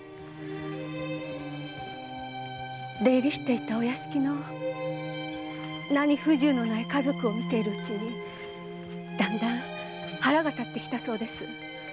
出入りしていたお屋敷の不自由のない家族を見ているうちにだんだん腹が立ってきたそうです。